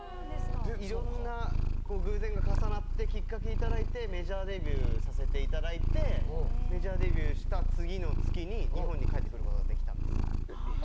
いろんな偶然が重なってきっかけをいただいてメジャーデビューさせていただいてメジャーデビューした次の月に日本に帰ってくることができたんです。